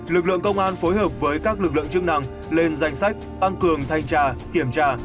lực lượng công an phối hợp với các lực lượng chức năng lên danh sách tăng cường thanh tra kiểm tra